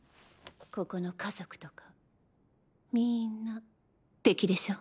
ここの家族とかみんな敵でしょ？